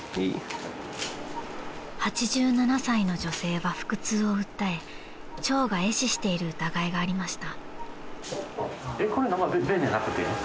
［８７歳の女性は腹痛を訴え腸が壊死している疑いがありました］